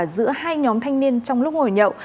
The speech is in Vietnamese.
giữa hai nhóm thanh niên trong lúc ngồi nhậu